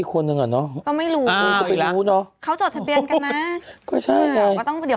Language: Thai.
ที่เขาพูดที่หมายถึงแยกกันออกมาคือเก็บผ้านออกมาจากบ้านน้องผู้หญิง